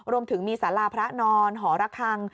รวมถึงมีสาราพระนอนหอระคัง